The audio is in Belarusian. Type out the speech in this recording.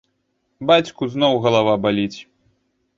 Бацьку зноў галава баліць.